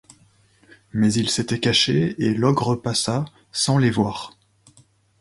Mais ils s’étaient cachés et l’ogre passa, sans les voir.